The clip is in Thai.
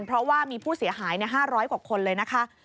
เพราะว่ามีผู้เสียหาย๕๐๐กว่าคนเลยนะคะ